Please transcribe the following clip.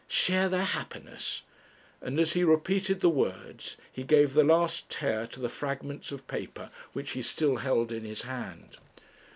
'Share their happiness!' and as he repeated the words he gave the last tear to the fragments of paper which he still held in his hand.